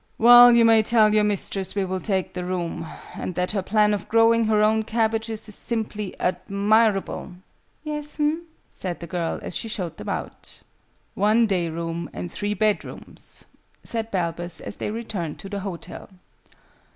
"Well, you may tell your mistress we will take the room, and that her plan of growing her own cabbages is simply admirable!" "Yes'm," said the girl, as she showed them out. "One day room and three bed rooms," said Balbus, as they returned to the hotel.